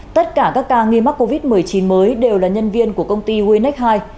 tất cả các ca nghi mắc covid một mươi chín mới đều là nhân viên của công ty guinec i